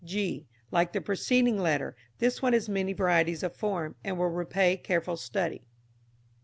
g. Like the preceding letter, this one has many varieties of form, and will repay careful study.